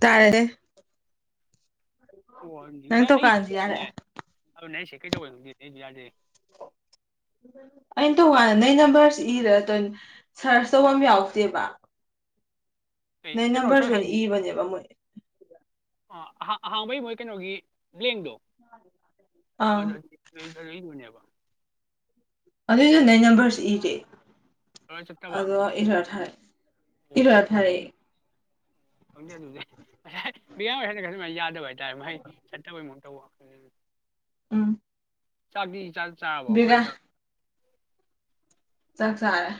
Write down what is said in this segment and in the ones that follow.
ꯇꯥꯔꯦ ꯑꯣ ꯉꯁꯥꯏ ꯑꯩ ꯆ ꯁꯤ ꯀꯩꯗꯧꯧꯕꯗꯤꯗꯦ ꯑꯩꯅ ꯇꯣꯉꯥꯟꯅ ꯅꯣꯏ ꯅꯝꯕꯔꯁ ꯏꯔ ꯇ ꯁꯔꯁ ꯇꯧꯕ ꯑꯃ ꯌꯥꯎꯗꯦꯕ ꯀꯩ ꯅꯣꯏ ꯀꯩꯅꯣ ꯅꯝꯕꯔꯁꯨ ꯑꯣꯏꯅ ꯏꯕꯅꯦꯕ ꯃꯣꯏ ꯑ ꯑꯍꯥꯡꯕꯩ ꯃꯣꯏ ꯀꯩꯅꯣꯒꯤ ꯕ꯭ꯂꯦꯡꯗꯣ ꯑꯪ ꯅꯦꯕ ꯑꯗꯨꯏ ꯍ ꯅꯩ ꯅꯝꯕꯔꯁꯤ ꯏꯔꯦ ꯂꯣꯏꯔ ꯆꯠꯇꯕ ꯑꯗꯣ ꯏꯔ ꯊꯔꯦ ꯑꯣ ꯏꯔꯙꯔ ꯈꯪꯗꯦ ꯑꯗꯨꯗꯤ ꯉꯁꯥꯏ ꯃꯤꯌꯥꯝ ꯑꯣꯏꯁꯅ ꯈꯁꯨꯃꯥꯏꯅ ꯌꯥꯗꯕ ꯍꯥꯏꯇꯥꯔꯦ ꯃꯥꯏ ꯆꯠꯇꯕꯩ ꯃꯨ ꯇꯧꯈ ꯑꯥ ꯆꯥꯕꯤ ꯆꯥ ꯆꯥꯕ ꯀꯃꯥꯏꯅ ꯇꯧꯔꯣ ꯆꯁꯔꯦ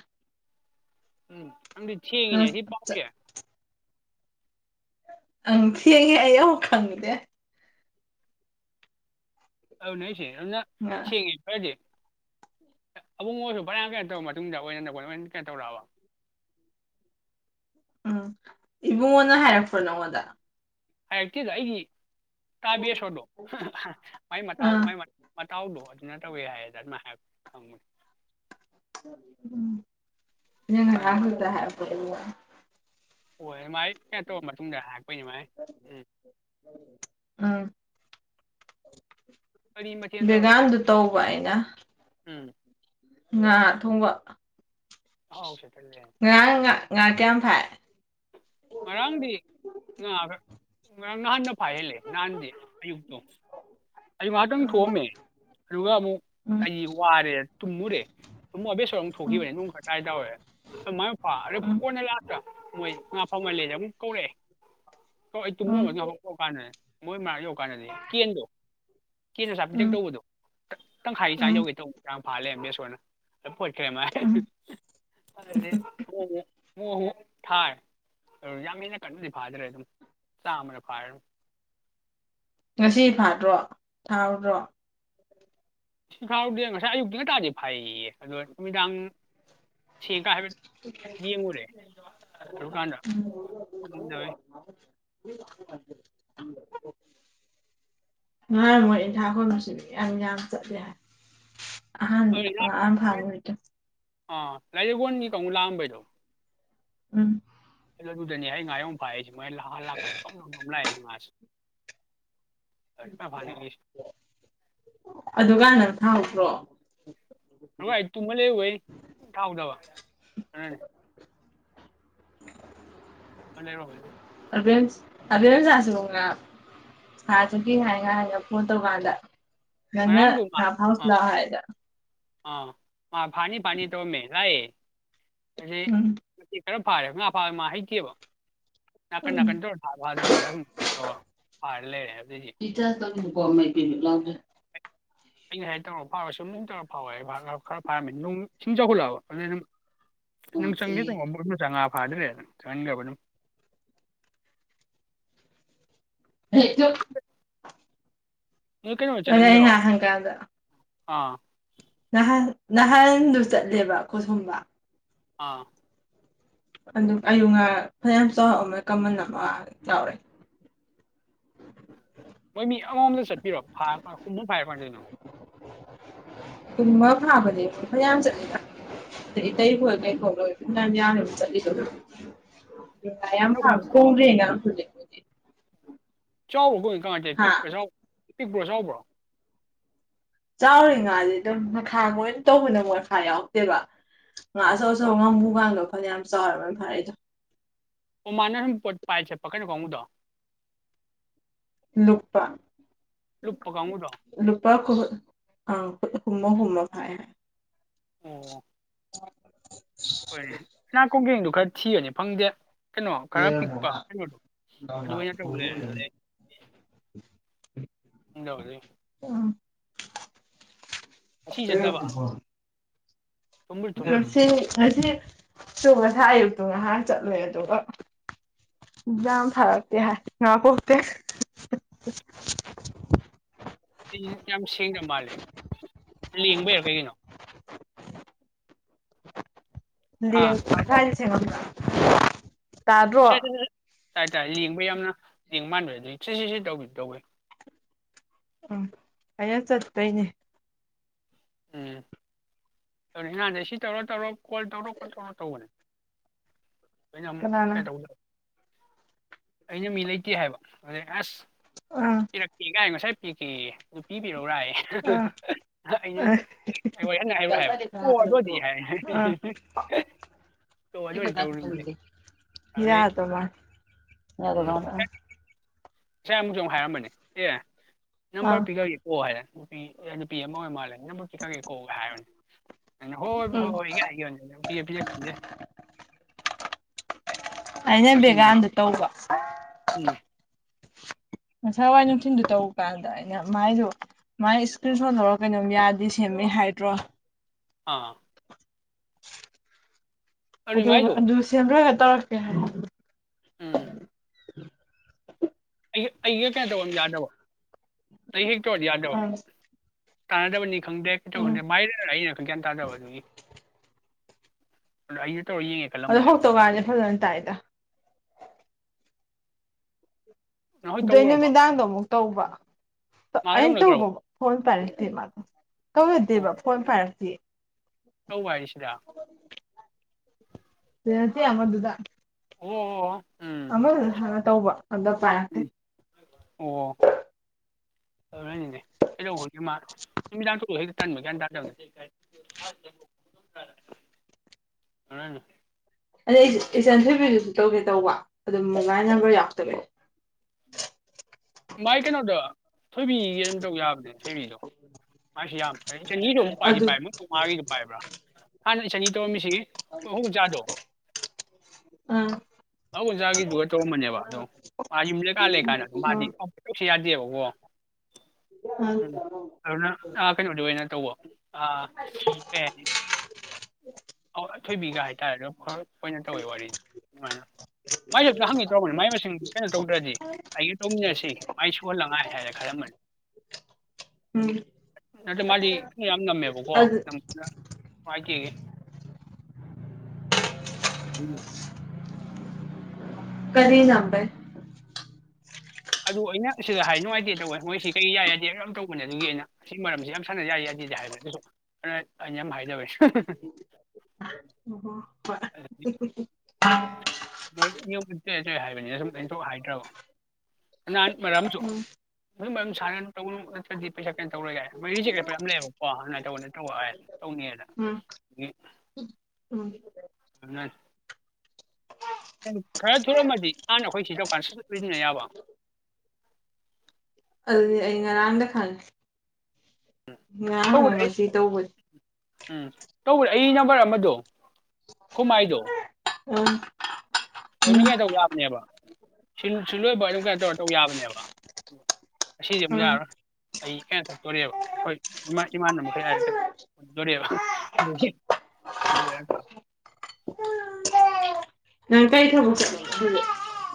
ꯎꯝ ꯑꯗꯤ ꯆꯉꯅꯦ ꯁꯤ ꯄꯥꯎꯁꯦ ꯑꯪ ꯊꯤ ꯑꯩꯦ ꯑꯩ ꯑꯃꯨꯛ ꯈꯪꯗꯦ ꯑ ꯅꯣꯏ ꯁꯦꯡ ꯑꯗꯨꯅ ꯁꯦꯡꯉꯦ ꯐꯔꯗꯤꯦ ꯑꯕꯨꯡ ꯑꯣꯏꯁꯨ ꯐꯔꯌꯥꯝ ꯀꯩꯅ ꯇꯧꯔ ꯃꯇꯨꯡꯗ ꯑꯣꯏꯅ ꯅ ꯂ ꯀꯩꯅ ꯇꯧꯔꯛꯑꯕ ꯎꯝ ꯏꯕꯨꯡꯉꯣꯅ ꯍꯥꯏꯔꯛꯄ꯭ꯔꯣ ꯅꯪꯉꯣꯟꯗ ꯍꯥꯏꯔꯛꯇꯦꯗ ꯑꯩꯒꯤ ꯇꯥꯕꯦꯁꯣꯔꯗꯣ ꯃꯥꯏ ꯃꯇꯥꯎ ꯑꯥ ꯃꯥꯏ ꯇꯥꯎꯗꯣ ꯑꯗꯨꯅ ꯇꯧꯋꯦ ꯍꯥꯏꯌꯦꯗ ꯍꯥꯏ ꯈꯪꯕꯅꯤ ꯎ ꯌꯦꯅ ꯎꯝ ꯉꯍꯗ ꯍꯥꯏ ꯍꯣꯏ ꯃꯥꯏ ꯑꯇꯣꯞꯄ ꯃꯇꯨꯡꯗ ꯍꯥꯥꯛꯄꯩꯅꯤ ꯃꯥꯏ ꯎꯝ ꯎꯝ ꯀꯔꯤ ꯃꯊꯦꯜ ꯇꯧꯔꯕ ꯕꯦꯒꯝꯗꯨ ꯇꯧꯕ ꯑꯩꯅ ꯎꯝ ꯉ ꯊꯣꯡꯕ ꯁ ꯀ ꯂꯩꯦ ꯉꯔꯥꯡ ꯉꯥ ꯉꯥ ꯀꯌꯥꯝ ꯐꯥꯏ ꯃꯔꯥꯡꯗꯤ ꯑ ꯉꯔꯥꯡ ꯅꯍꯥꯟꯗ ꯐꯥꯏꯍꯜꯂꯦ ꯅꯍꯥꯟꯗꯤ ꯑꯌꯨꯛꯇꯣ ꯑꯌꯨꯛ ꯉꯍꯥꯛꯇꯪ ꯎꯝ ꯊꯣꯛꯑꯝꯃꯦ ꯑꯗꯨꯒ ꯑꯃꯨꯛ ꯎꯝ ꯑꯩ ꯋꯥꯔꯦ ꯇꯨꯝꯃꯨꯔꯦ ꯛ ꯑꯕꯦꯠꯁꯣꯔ ꯑꯃ ꯎꯝ ꯊꯣꯛꯈꯤꯕꯅꯤ ꯅꯨꯡ ꯈꯔ ꯀꯥꯏ ꯇꯧꯔꯦ ꯃꯥꯏ ꯐꯥ ꯑꯗ ꯎꯝ ꯀꯣꯟꯅ ꯂꯥꯛꯇ ꯃꯣꯏ ꯉꯥ ꯐꯪꯍꯜꯂꯦꯁꯦ ꯑꯃꯨꯛ ꯀꯧꯔꯛꯑꯦ ꯀꯧꯦ ꯇꯨꯝꯃꯒ ꯎꯝ ꯉꯥꯐꯥꯎ ꯀꯧꯔ ꯀꯥꯟꯗꯅꯦ ꯃꯣꯏ ꯃꯥꯔ ꯌ ꯀꯥꯟꯅꯗꯤ ꯀꯍꯟꯗꯣ ꯀꯦ ꯑꯆꯥ ꯄꯤꯇꯦꯛ ꯎꯝ ꯇꯧꯕꯗꯣ ꯇꯪꯈꯥꯏ ꯆꯥꯡ ꯎꯝ ꯌꯧꯒꯦ ꯇꯧꯕ ꯆꯥꯡ ꯐꯥꯜꯂꯦ ꯑꯦꯁꯣꯔꯅ ꯎꯝ ꯍꯠꯈ꯭ꯔꯦꯃꯗꯤ ꯊꯥꯏ ꯌꯥꯝ ꯃꯤꯅ ꯀꯟꯅꯨꯗꯤ ꯐꯥꯗ꯭ꯔꯦ ꯑꯗꯨꯝ ꯆꯥꯝꯃꯅ ꯐꯥꯔ ꯑꯗꯨ ꯉꯁꯤ ꯐꯥꯗ꯭ꯔꯣ ꯊꯥꯎꯗ꯭ꯔꯣ ꯁꯤ ꯐꯥꯎꯔꯗꯦ ꯉꯁꯥꯏ ꯑꯌꯨꯛꯇ ꯉꯇꯥꯥꯗꯤ ꯐꯩꯌꯦ ꯑꯗꯣ ꯅꯨꯃꯤꯗꯥꯡ ꯁꯦꯡ ꯀ ꯍꯥꯏꯐꯦꯠ [unintelligible] ꯌꯦꯡꯉꯨꯔꯦ ꯑꯗꯨꯀꯥꯟꯗ ꯉꯝꯗꯕꯩ [unintelligible] ꯉꯥꯏ ꯃꯣꯏ ꯏꯟ ꯊꯥꯈꯣꯅꯁꯨ ꯌꯥꯝ ꯌꯥꯝ ꯆꯠꯂꯦ ꯍꯥꯏ ꯑꯥꯟ ꯑꯗꯨ ꯑ ꯐꯔ ꯑꯣꯏꯀ ꯂꯥꯏꯔꯡꯒꯣꯟꯒꯤ ꯀꯧꯨꯛ ꯂꯥꯛꯑꯝꯕꯩꯗꯣ ꯎꯝ ꯑꯗꯨ ꯑꯗꯨꯗꯅꯦ ꯑꯩ ꯉꯥꯌꯣꯝ ꯐ ꯍꯥꯏꯏꯁ ꯃꯣꯏ ꯂꯥꯛꯍꯥꯟ ꯂꯥꯛꯀ ꯁꯣꯝ ꯁꯣꯝ ꯂꯥꯛꯏꯁꯁꯤ ꯉꯁꯦ ꯐꯥꯅꯤꯡꯉꯤꯁꯦ ꯑꯗꯨꯀꯥꯟ ꯅꯪ ꯊꯥꯗ꯭ꯔꯣ ꯑ ꯇꯨꯃ ꯂꯩ ꯊꯥꯎꯗꯕ ꯃꯂꯔꯣ ꯭ ꯄ꯭ꯔꯣꯕ꯭ꯂꯦꯝ ꯁꯥꯁꯤꯒ ꯁꯥꯁꯨꯒꯦ ꯍꯥꯏꯉꯥꯏ ꯍꯥꯏꯅ ꯐꯣꯟ ꯇꯧꯔꯀꯥꯟꯗ ꯀꯟꯅ ꯉꯔꯥꯡꯗꯣ ꯃꯥ ꯍ ꯑ ꯂꯗ ꯑꯥ ꯃꯥ ꯐꯥꯅꯤ ꯐꯥꯅꯤ ꯇꯧꯔꯝꯃꯦ ꯂꯥꯛꯑꯌꯦ ꯎꯝ ꯈꯔꯝ ꯐꯥꯔꯦ ꯉꯥ ꯐꯥꯕ ꯃꯥ ꯍꯩꯇꯦꯕ ꯅꯥꯀꯟ ꯎꯝ ꯅꯥꯀꯟ ꯇꯧꯔ ꯐꯥꯕꯥꯗꯗꯨ ꯏ ꯆ ꯇ ꯀꯃ ꯄꯅ ꯂꯥꯛꯦ ꯑꯩꯩꯅ ꯉꯁꯥꯏ ꯇꯧꯔꯒ ꯐꯥꯎꯔꯦ ꯁꯨꯝ ꯇꯧꯔ ꯐꯥꯎꯋꯦ ꯑꯩ ꯈꯔ ꯐꯥꯔꯝꯃꯤꯅꯤ ꯅꯅꯨꯡ ꯏꯁꯤꯡ ꯆꯥꯎꯈꯠꯂꯛꯑꯕ ꯑꯗꯨꯅ ꯑꯗꯨꯝ ꯅꯪ ꯆꯪꯒ‌ꯦ ꯅꯨꯡꯉꯥꯏꯇꯦꯌꯦ. ꯆꯪꯉꯛꯑ‌ꯣ [unintelligible] ꯐꯗꯔꯦꯅ ꯆꯪꯝ ꯍꯦꯛꯇꯣ ꯅꯣꯏ ꯀꯩꯅꯣ ꯑꯗ ꯍꯥꯏ ꯆꯠꯍꯟꯗ꯭ꯔꯣ ꯍꯪꯒꯥꯗ ꯑꯥ ꯅꯍꯥꯟ ꯅꯍꯥꯟꯗꯨ ꯆꯠꯂꯦꯕ ꯑꯩꯣ ꯁꯨꯝꯕ ꯑꯥ ꯑꯗꯨ ꯑꯌꯨ ꯉꯥ ꯐꯅꯌꯥꯝ ꯆꯥꯎꯔꯥꯛ ꯀꯃꯜ ꯑꯃ ꯆꯥꯎꯔꯦ ꯃꯣꯏ ꯃꯤ ꯑꯃꯃꯝꯗ ꯆꯠꯄꯤꯔꯣ ꯐꯥꯔ ꯍꯨꯝꯐ ꯐꯥꯏꯔꯀꯥꯟꯗꯣꯏꯅꯣ ꯀꯨꯝꯕ ꯐꯥꯕꯅꯦ ꯐꯌꯥꯝ ꯆꯠꯂꯤꯗ ꯀꯩ ꯐꯦ ꯀꯩ ꯐꯣ ꯆ ꯌꯥꯝ ꯄꯨꯟꯅ ꯐ ꯍꯨꯝꯐꯨ ꯐꯥꯕ ꯀꯧꯔꯦꯅꯣꯖ ꯆꯥꯎꯕ꯭ꯔꯣ ꯀꯣꯏ ꯀꯃꯥꯏꯇꯥ ꯄꯤꯛꯄ ꯄꯤꯛꯄ꯭ꯔꯣ ꯆꯥꯎꯕ꯭ꯔꯣ ꯆꯥꯎꯔꯤ ꯉꯥꯁꯦ ꯑꯗꯨꯝ ꯃꯈꯥꯡꯣꯏ ꯇꯧꯕꯅ ꯃꯣꯏꯐꯥ ꯌꯥꯎꯛꯇꯦꯕ ꯉꯍꯥ ꯑꯥ ꯑꯆꯧ ꯑꯆꯧꯧꯕ ꯉꯕꯨꯨꯒꯗꯣ ꯐꯅ ꯌꯥꯝ ꯆꯥꯎꯔꯦ ꯃꯣꯏꯅ ꯐꯥꯔꯛꯏꯗꯣ ꯑꯣꯃꯥꯅ ꯁꯨꯝ ꯄꯣꯠ ꯄꯥꯏꯁꯦꯄꯀꯅꯤ ꯀꯥꯡꯣꯡꯉꯗꯣ ꯅꯨꯨꯄꯥ ꯂꯨꯨꯞꯄ ꯀꯥꯉꯗ ꯑꯥ ꯍꯨꯃꯣ ꯍꯨꯃꯣ ꯍꯥꯏ ꯍꯥꯏ ꯑꯣ ꯑꯣ ꯍꯣꯏꯅꯦ ꯉꯅꯥ ꯀꯣꯡꯖꯦꯡꯗꯨ ꯈꯔ ꯊꯤꯕꯅꯤ ꯐꯪꯗꯦ ꯀꯩꯅꯣ ꯈꯔ ꯄꯤꯛꯄ ꯀꯩꯅꯣꯗꯣ ꯑꯗꯨ ꯑꯣꯏꯅ ꯇꯧꯔ ꯏꯎꯗ ꯉꯁꯤ ꯆꯠꯇꯕ ꯐ ꯊꯨꯝꯕꯨꯗꯤ ꯉ ꯊꯨꯝꯃꯦ ꯉꯁꯤ ꯁꯨ ꯉꯁꯥ ꯑꯌꯨꯛꯇꯨ ꯉꯥꯏꯍꯥꯛ ꯆꯠꯂꯣꯏ ꯑꯗꯨꯒ ꯌꯥꯝꯝ ꯐꯔꯛ ꯇ ꯍꯥꯏ ꯉ ꯄꯣꯛꯇ [unintelligible] ꯌꯥꯝ ꯁꯦꯡꯅ ꯃꯥꯜꯂꯦ ꯂꯦꯡꯕ ꯌꯥꯔ ꯀꯩꯒꯤꯅꯣ ꯍꯥ ꯇꯥꯕ꯭ꯔꯣ ꯥꯏꯁ ꯇꯥꯗ꯭ꯔꯣ ꯇ ꯍꯥꯏꯇꯥꯔꯦ ꯂꯦꯡꯕ ꯌꯥꯝꯅ ꯌꯦꯦꯡ ꯃꯥꯟꯥꯟꯕ꯭ꯔꯗꯤ ꯁꯤ ꯁꯤ ꯁꯤ ꯇꯧꯒꯦ ꯇꯧꯋꯤ ꯎꯝ ꯑꯩꯅ ꯆꯠꯇꯣꯏꯅꯦ ꯎꯝ ꯑꯗꯨ ꯏꯍꯥꯟꯗ ꯁꯤ ꯇꯧꯔꯣ ꯇꯧꯔꯣ ꯀꯣꯜ ꯇꯧꯔꯣ ꯀꯣꯜ ꯇꯧꯔꯣ ꯇꯧꯕꯅꯦ ꯑꯩꯅ ꯑꯃꯨꯛ ꯀꯅꯥꯅ ꯀꯩꯇꯧꯗꯕ ꯑꯩꯅ ꯃꯤ ꯂꯩꯇꯦ ꯍꯥꯏꯕ ꯑꯗꯩ ꯑꯁ ꯑꯥ ꯄꯤꯔꯛꯀꯦꯒꯥꯏ ꯉꯁꯥꯏ ꯄꯤꯒꯦ ꯑꯗꯨ ꯄꯤꯕꯤꯔꯎꯔꯥꯏ ꯑꯥ ꯑꯩꯅ ꯑꯥ ꯑꯩ ꯋꯥ ꯉ ꯍꯥꯏꯔ ꯍꯥꯏꯕ ꯑꯣ ꯑꯗꯨ ꯑꯣꯏꯗꯤ ꯍꯥꯏ ꯇꯣ ꯑꯇꯦ ꯑꯅꯦ ꯏꯗ ꯉꯁꯥꯏ ꯑꯃꯨꯛꯁꯨ ꯑꯃꯨꯛ ꯍꯥꯏꯔꯃꯅꯤ ꯑꯦ ꯑꯥ ꯅꯝꯕꯔ ꯄꯤꯈꯒꯤ ꯀ ꯍꯥꯏꯔꯦ ꯅꯨꯄꯤ ꯑꯦ ꯅꯨꯄꯤ ꯑꯃ ꯑꯣꯏ ꯃꯥꯜꯂꯦ ꯅꯪ ꯐꯥꯎꯗꯤ ꯈꯪꯉꯦꯀꯣ ꯍꯥꯏꯕꯅꯦ ꯑꯩꯅ ꯍꯣꯏ ꯍꯣꯏ ꯍꯣꯏ ꯎꯝ ꯍꯣꯏ ꯍꯥꯏꯒꯤꯕꯅꯦ ꯑꯗꯨꯝ ꯄꯤꯌꯦ ꯄꯤꯌꯦ ꯈꯪꯗꯦ [inaudible] ꯑꯩꯅ ꯃꯁꯤꯡꯗꯣ ꯕꯦꯒꯥꯟꯗ ꯇꯧꯕ ꯎꯝ ꯉꯁꯥꯏ ꯋꯥꯏ ꯅꯨꯡꯊꯤꯟꯗ ꯇꯧꯕ ꯀꯥꯟꯗ ꯑꯩꯅ ꯃꯥꯏꯗꯣ ꯃꯥꯏ ꯏꯁꯀ꯭ꯔꯤꯟ ꯁꯣꯠ ꯂꯧꯔꯒ ꯀꯩꯅꯣꯝ ꯌꯥꯗꯦ ꯁꯦꯝꯃꯦ ꯍꯥꯏꯗ꯭ꯔꯣ ꯑꯥ ꯑꯗꯨꯏ ꯑꯗꯨꯒ ꯃꯥꯏꯗꯣ ꯑꯗꯨ ꯁꯦꯝꯔꯒ ꯇꯧꯔꯛꯀꯦ ꯍꯥꯏꯕꯅꯦ ꯎꯝ ꯎ [unintelligible] [inaudible] ꯑꯩ ꯑꯩ ꯍꯦꯛ ꯀꯩꯅꯣ ꯇꯧꯕ ꯌꯥꯗꯕ ꯑꯩ ꯍꯦꯛ ꯇꯧꯔꯗꯤ ꯌꯥꯗꯕ ꯑꯪ ꯇꯥꯟꯅꯗꯕꯅꯤ ꯈꯪꯗꯦ ꯎꯝ ꯀꯩꯇꯧꯕꯅꯤ ꯈꯪꯗꯦ ꯃꯥꯏꯗꯣ ꯑꯩꯅ ꯒꯤꯌꯥꯟ ꯇꯥꯗꯕ ꯑꯗꯨꯒꯤ ꯑꯏꯌꯦ [unintelligible] ꯑꯗꯣ ꯍꯧ ꯇꯧꯀꯥꯟꯅꯦ ꯐꯖꯅ ꯇꯥꯏꯗ ꯅꯍꯣꯏ ꯑꯗꯨꯏ ꯇꯧꯈ꯭ꯔꯕꯣ ꯅꯨꯃꯤꯗꯥꯡꯗꯣ ꯑꯃꯨꯛ ꯇꯧꯕ꯭ꯔꯣ ꯃꯥꯒ ꯑꯩꯅ ꯇꯧꯅꯈ꯭ꯔꯕꯣ ꯇꯧꯕ ꯐꯣꯟ ꯄꯥꯏꯔꯛꯇꯦ ꯃꯥꯗꯣ ꯇꯧꯔꯗꯦꯕ ꯐꯣꯟ ꯄꯥꯏꯔꯛꯇꯦ ꯇꯧ ꯍꯥꯏꯁꯤꯗ ꯁꯤꯗ ꯅꯠꯇꯦ ꯑꯃꯗꯨꯗꯥ ꯑꯣ ꯎꯝ ꯑꯃꯗꯣ ꯍꯥꯟꯅ ꯇꯧꯕ ꯑꯗ ꯄꯥꯏꯔꯛꯇꯦ ꯎꯝ ꯑꯣ ꯑꯗꯨꯗꯤ ꯃꯥ ꯅꯨꯃꯤꯗꯥꯡꯗꯣ ꯒ꯭ꯌꯥꯟ ꯇꯥꯗꯃꯦ [unintelligible] ꯍꯅꯅꯤ [unintelligible] ꯑꯗ ꯑꯩꯁꯦ ꯏꯆꯟꯊꯣꯏꯕꯤꯗꯁꯨ ꯇꯧꯒꯦ ꯇꯧꯕ ꯑꯗꯣ ꯃꯣꯕꯥꯏꯜ ꯅꯝꯕꯔ ꯌꯥꯎꯗꯕꯩ ꯎꯝ [unintelligible] [inaudible] ꯃꯥꯏ ꯀꯩꯅꯣꯗ ꯊꯣꯏꯕꯤꯒꯤ ꯑꯗꯨꯝ ꯇꯧꯕ ꯌꯥꯕꯅꯦ ꯊꯣꯏꯕꯤꯗꯣ ꯃꯥꯁꯨ ꯌꯥꯝ ꯐꯦ ꯏ ꯆꯅꯤꯗꯨꯣ ꯑꯃꯨꯛ ꯄꯥꯏꯗꯤ ꯑꯗꯨ ꯄꯥꯏꯕ꯭ꯔꯥ ꯀꯃꯥꯒꯤꯗꯨ ꯄꯥꯏꯕ꯭ꯔꯥ ꯍꯥꯟꯅ ꯆꯅꯤꯗꯨ [unintelligible] ꯍꯨ ꯆꯥꯗꯣ [unintelligible] ꯑꯥ ꯑ ꯑꯣꯖꯥꯒꯤꯗꯨꯒ ꯇꯧꯔꯝꯕꯅꯦꯕ ꯑꯗꯣ ꯃꯥꯒꯤ ꯌꯨꯝ ꯂꯩꯀꯥꯏ ꯂꯩꯀꯥꯏꯗ ꯑꯗꯨ ꯃꯥꯗꯤ ꯑꯥ ꯁꯨ ꯌꯥꯗꯦꯕꯥꯀꯣ ꯍ [unintelligible] ꯑꯗꯨꯅ ꯑꯥ ꯀꯩꯅꯣꯗ ꯑꯣꯏꯅ ꯇꯧꯕ ꯑꯥ ꯑ ꯊꯣꯏꯕꯤꯒ ꯍꯥꯏꯇꯥꯔꯦ ꯑꯗꯨ ꯈꯔ ꯇꯣꯏꯅ ꯇꯧꯋꯦ ꯋꯥꯔꯤꯗꯣ ꯑꯗꯨꯃꯥꯏꯅ ꯃꯥꯏꯁꯨꯦꯇ ꯍꯪꯉꯤ ꯇ꯭ꯔꯧꯕꯅꯤ ꯃꯥꯏ ꯃꯁꯤꯡ ꯀꯩꯅꯣ ꯇꯧꯗ꯭ꯔꯗꯤ ꯑꯩꯒ ꯇꯧꯃꯤꯟꯅꯔꯁꯤ ꯃꯥꯏ ꯁꯨꯍꯜꯂꯉꯥꯏ [unintelligible] ꯍꯥꯏꯔ ꯈꯜꯂꯝꯕꯅꯦ ꯎꯝ ꯅꯠꯇꯦ ꯃꯥꯗꯤ ꯌꯥꯝ ꯉꯝꯃꯦꯕꯀꯣ ꯑꯗꯨ ꯌꯥꯝꯅ ꯅꯨꯡꯉꯥꯏꯇꯦ ꯎꯝ [unintelligible] ꯀꯔꯤ ꯂꯝꯗꯩ ꯑꯗꯨ ꯑꯩꯅ ꯁꯤꯗ ꯍꯥꯏ ꯅꯨꯡꯉꯥꯏꯇꯦ ꯇꯧꯕ ꯃꯣꯏꯁꯤ ꯀꯩ ꯌꯥꯏ ꯌꯥꯗꯦ ꯑꯗꯨ ꯌꯥꯝ ꯇꯧꯕꯅꯦ ꯑꯗꯨꯒꯤ ꯑꯩꯅ ꯁꯤꯒꯤ ꯃꯔꯝꯁꯤ ꯌꯥꯝ ꯁꯥꯟꯅ ꯌꯥꯏ ꯌꯥꯗꯦ ꯍꯥꯏꯕꯅꯦ ꯑꯗꯨꯁꯨ ꯑꯩꯅ ꯌꯥꯝ ꯍꯥꯏꯗꯕ ꯑꯣ ꯍꯣ ꯍ [unintelligible] ꯗꯤ ꯆ ꯆꯩ ꯍꯥꯏꯕꯅꯤꯅ ꯁꯨꯝ ꯂꯩꯅꯊꯣꯛ ꯍꯥꯏꯗ꯭ꯔꯕ ꯅꯍꯟ ꯃꯔꯛꯑꯝꯁꯨ ꯎꯝ [unintelligible] ꯑꯗꯨꯝ ꯃꯔꯝ ꯁꯥꯟꯅ ꯇꯧꯒꯅꯣ ꯅꯠꯇ꯭ꯔꯗꯤ ꯄꯩꯁꯥ ꯀꯩꯅꯣ ꯇꯧꯔꯣꯏ ꯀꯥꯏꯅ ꯃꯣꯏ ꯔꯤ ꯆꯤꯛꯄ ꯌꯥꯝ ꯂꯩꯌꯦꯕꯀꯣ ꯑꯗꯨꯅ ꯇꯧꯕ ꯅꯠꯇ꯭ꯔꯧꯕ ꯇꯧꯅꯤꯅ ꯎꯝ ꯎꯝ ꯈꯔ ꯊꯨꯔꯝꯃꯗꯤ ꯅꯍꯥꯟꯅ ꯑꯩꯈꯣꯏ ꯊꯤꯗꯧꯀꯥꯟꯗ ꯁꯥꯖꯠ ꯁꯤꯖꯤꯟꯅ ꯌꯥꯕ [inaudible] [unintelligible] ꯑꯗꯨꯅꯦ ꯑꯩ ꯥꯉꯔꯥꯡꯗꯪ ꯈꯪꯉꯦ ꯉꯔꯥꯡꯂ ꯇꯧꯕꯗꯤ ꯑꯩ ꯉꯥꯁꯤ ꯇꯧꯕꯁꯦ ꯎꯝ ꯇꯧꯕꯅꯦ ꯑꯩ ꯅꯝꯕꯔ ꯑꯃꯗꯣ ꯑꯩꯈꯣꯏ ꯃꯥꯏꯗꯣ ꯎꯝ ꯎꯝ ꯇꯧꯅꯤꯡꯉꯥꯏꯗꯣ ꯇꯧꯕ ꯌꯥꯕꯅꯦꯕ ꯁꯤꯝ ꯁꯤꯂꯣꯏꯕ ꯑꯗꯨꯝꯀꯥꯟꯗ ꯀꯩꯅꯣ ꯇꯧꯕ ꯌꯥꯕꯅꯦꯕ ꯑꯁꯤꯗꯤ ꯑꯃꯨꯛ ꯎꯝ ꯌꯥꯔꯣꯏ ꯑꯩ ꯀꯩꯅꯣ ꯆꯠꯇꯣꯔꯦꯕ ꯍꯣꯏ ꯏꯃꯥꯅ ꯏꯃꯥꯅ ꯍꯧꯔꯦꯟ ꯍꯥꯏꯔꯛꯀꯥꯅꯤ ꯈꯨꯟꯗꯨꯔꯤꯌꯦꯕ ꯑꯗꯨꯒꯤ ꯑꯗꯨꯅ ꯚꯦꯔꯥꯀꯕ [inaudible] ꯅꯪ ꯀꯩ ꯊꯕꯛ ꯆꯠꯂꯕ ꯉꯁꯤꯗꯤ [inaudible]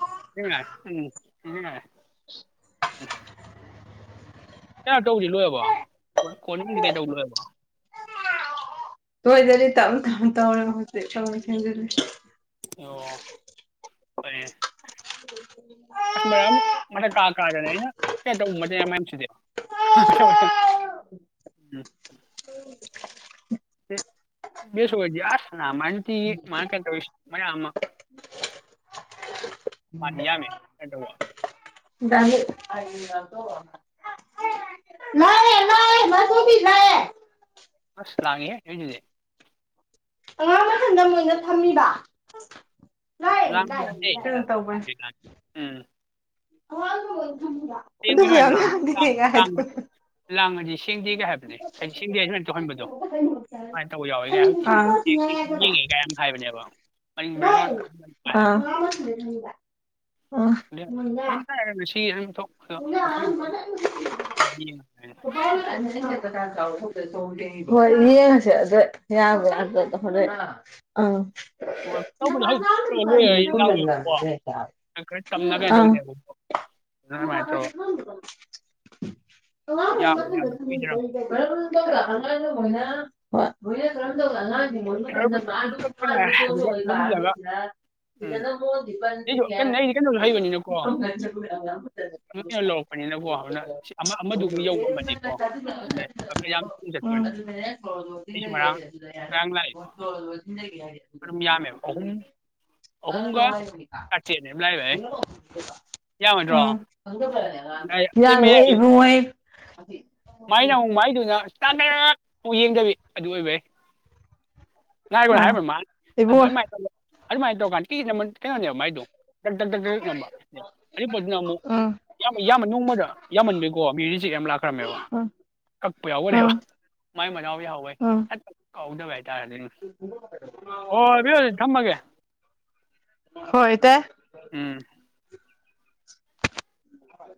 [inaudible] ꯀꯩꯅꯣ ꯇꯧꯕꯗꯤ ꯂꯣꯏꯔꯕꯣ ꯀꯣꯂꯤꯡ ꯀꯣꯂꯤꯡ ꯀꯩ ꯀꯩ ꯇꯧꯕꯗꯤ ꯂꯣꯏꯔꯕꯣ ꯂꯣꯏꯗ꯭ꯔꯤ ꯇꯞꯅ ꯇꯞꯅ ꯇꯧꯔꯒ ꯍꯧꯖꯤꯛ ꯆꯥꯒꯨꯝ ꯁꯦꯡꯖꯜꯂꯤ ꯑꯣ ꯐꯩꯅꯦ ꯑꯁ ꯃꯔꯝ ꯃꯊꯛ ꯀꯥ ꯀꯥꯗꯅꯦ ꯑꯩꯅ [inaudible] [inaudible] ꯎꯝ [inaudible] ꯑꯦ ꯕꯦꯁ ꯑꯣꯏꯗꯤꯌꯦ ꯑꯥꯁ ꯅꯃꯥꯏꯟꯇꯤ ꯃꯥꯡꯉꯛ ꯀꯗꯣꯏꯁꯦ ꯃꯌꯥꯝ ꯑꯃ [inaudible] ꯃꯅꯤ ꯌꯥꯃꯦ ꯀꯩꯗꯧꯋꯣ [inaudible] ꯗꯥꯒꯤ [inaudible] ꯂꯛꯑꯦ ꯂꯛꯑꯦ ꯃꯗꯨꯕꯤ ꯂꯛꯑꯦ [inaudible] ꯑꯁ ꯂꯉꯦꯍꯦ ꯍꯩꯅꯗꯦ ꯑꯉꯥꯡ ꯃꯊꯟꯗ ꯃꯣꯏꯅ ꯊꯝꯃꯤꯕ [inaudible] ꯂꯥꯛꯑꯦ ꯂꯥꯡꯕ ꯂꯥꯛꯑꯦ ꯌꯥꯗꯦ ꯍꯥꯏꯕ ꯀꯩꯅꯣ ꯇꯧꯕꯩ ꯑꯗꯩ ꯂꯥꯟꯗ꯭ꯔꯦ ꯎꯝ [inaudible] ꯑꯉꯥꯡꯗꯣ ꯃꯣꯏꯅ ꯊꯝꯃꯤꯕ ꯍꯌꯦꯡꯗꯤ ꯑꯗꯨꯁꯨ ꯁꯣꯏ ꯌꯥꯝ ꯂꯥꯡ ꯉꯥꯡꯗꯦ ꯂꯥꯡ ꯒꯥꯏ ꯍꯥꯏꯗꯣꯛ ꯂꯥꯡꯕ ꯂꯥꯡꯉꯥꯅꯤ ꯁꯦꯡꯗꯤ [inaudible] ꯒꯦ ꯍꯥꯏꯕꯗꯤ ꯑꯩ ꯁꯤꯡꯒꯦ ꯑꯩ ꯁꯨꯃꯥꯏꯅ ꯇꯧꯍꯟꯕꯣꯨꯃꯥꯏꯅ ꯇꯧꯕ ꯌꯥꯎꯋꯦ ꯍꯧꯖꯤꯛ ꯑꯥ ꯆꯦꯛ ꯆꯦꯛꯀꯤꯡ ꯌꯝ ꯌꯦꯡꯉꯦ ꯀꯥꯏ ꯍꯥꯏꯕꯅꯦꯕ ꯃꯅꯤꯜ ꯕꯦꯛꯒ꯭ꯔꯥꯎꯗꯣ [inaudible] ꯑꯥ ꯑꯥ ꯅꯦ ꯃꯣꯏꯅ ꯐꯖꯅ ꯇꯥꯏ ꯍꯥꯏꯕꯁꯤ ꯁꯤ [inaudible] ꯍꯣꯏ ꯌꯦꯡꯉꯁꯦ ꯑꯗꯨ ꯌꯥꯕ꯭ꯔ ꯌꯥꯗꯕ꯭ꯔ ꯍꯧꯔꯦꯟ ꯑꯥ ꯇꯧꯕꯗꯤ ꯍꯧꯖꯤꯛ ꯇꯧꯔ ꯂꯣꯏꯔꯒ ꯂꯥꯎꯋꯦꯕꯀꯣ ꯈꯔ ꯇꯝꯅ [inaudible] ꯀꯩꯅꯣ ꯑꯧ ꯇꯧꯅꯦꯕꯀꯣ [inaudible] [unintelligible] ꯑꯗꯨꯅ ꯑꯗꯨꯃꯥꯏꯅ ꯇꯧꯔ [inaudible] ꯌꯥꯕ ꯌꯥꯗꯕ [unintelligible] ꯀꯨꯏꯗꯔꯝ [inaudible] [unintelligible] ꯈꯔꯕꯨ ꯉꯥꯏꯔꯦ [unintelligible] ꯑꯗꯨꯒ ꯂꯨꯝꯍꯜꯂꯒ [inaudible] ꯎꯝ ꯑꯩꯁꯨ ꯀꯩꯅꯣ ꯑꯩꯗꯤ [unintelligible] [inaudible] ꯌꯨꯝ ꯌꯧꯔꯛꯄꯅꯤꯅ ꯋꯕꯅ ꯁꯤꯠ ꯑꯃ ꯎꯝ ꯑꯃꯗꯨꯒ ꯌꯧꯕꯉꯝꯃꯗꯤꯀꯣ [inaudible] ꯆꯨꯝꯃꯦ ꯑꯗꯨꯅ ꯌꯥꯝ ꯀꯨꯏ ꯆꯠꯇꯅꯤ [inaudible] [unintelligible] [inaudible] ꯑꯗꯨꯝ ꯌꯥꯝꯃꯦꯕ ꯑꯍꯨꯝ ꯑꯍꯨꯝꯒ ꯆꯥꯇ꯭ꯔꯦꯠꯅꯦꯕ ꯂꯩꯂꯩ ꯌꯥꯝꯃꯗ꯭ꯔꯣ [inaudible] ꯑꯇꯩ ꯌꯥꯝꯗꯦ ꯃꯌꯥꯏ ꯏꯕꯨꯡꯉꯣ ꯑꯩ ꯃꯥꯏꯅ ꯑꯃꯨꯛ ꯃꯥꯏꯗꯨꯅ ꯇꯥꯟꯅꯔꯒꯛ ꯑꯃꯨꯛ ꯌꯦꯡꯗꯕꯤ ꯑꯗꯨ ꯑꯣꯏꯕꯩ [inaudible] ꯉꯥꯏꯈꯣ ꯑꯥ ꯍꯥꯏꯕ ꯃꯥꯅ ꯑꯗ ꯏꯕꯨꯡꯉꯣ ꯉꯥꯏꯈꯣꯌꯦ ꯑꯗꯨꯃꯥꯏ ꯇꯧꯕꯀꯟꯗ ꯇꯦꯊꯈ꯭ꯔ ꯈꯪꯗꯦꯕ ꯃꯥꯏꯗꯣ [inaudible] [unintelligible] ꯗꯛ ꯗꯛ ꯗꯛ ꯅꯝꯕ ꯑꯗꯨꯏ ꯄꯣꯠꯇꯨꯅ ꯑꯃꯨꯛ ꯎꯝ ꯌꯥꯝ ꯌꯥꯝꯃ ꯅꯣꯡꯃꯗ ꯌꯥꯝꯃꯟꯕꯩꯀꯣ ꯃꯤꯖꯦ ꯌꯝ ꯂꯛꯇꯃꯦꯕ ꯎꯝ [inaudible] ꯀꯛꯄ ꯌꯥꯎꯕꯅꯦꯕ ꯎꯝ ꯃꯥꯏ ꯃꯗꯥꯎ ꯌꯥꯎꯍꯧꯕꯩꯅꯦ ꯎꯝ ꯍꯦꯛ ꯀꯛꯍꯧꯗꯕ ꯍꯥꯏꯇꯥꯔꯦ [inaudible] ꯑꯣ ꯑꯗꯨ ꯑꯣꯏꯗꯤ ꯊꯝꯃꯒꯦ [inaudible] ꯍꯣꯏ ꯏꯇꯩ ꯎꯝ ꯍ [inaudible]